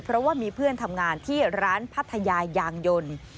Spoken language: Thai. เพราะว่ามีเพื่อนทำงานที่ร้านพัทยายางยนต์